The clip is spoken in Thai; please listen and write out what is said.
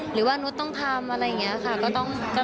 หรือว่านุษย์ต้องทำอะไรอย่างนี้ค่ะก็ต้องทำ